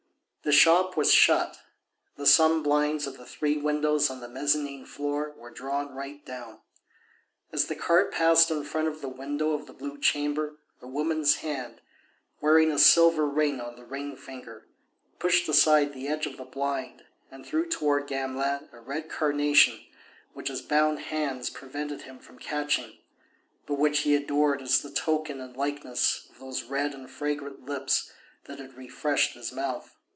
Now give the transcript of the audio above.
The shop was shut, the sun blinds of the three windows on the mezzanine floor were drawn right down. As the cart passed in front of the window of the blue chamber, a woman's hand, wearing a silver ring on the ring finger, pushed aside the edge of the blind and threw towards Gamelin a red carnation which his bound hands prevented him from catching, but which he adored as the token and likeness of those red and fragrant lips that had refreshed his mouth.